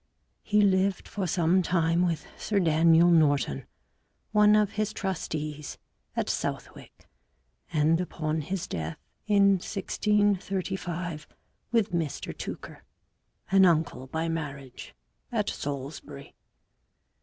He lived for some time with Sir Daniel Norton, one of his trustees, at Southwick, and upon his death in 1635 with Mr Tooker, an uncle by marriage, at Salisbury.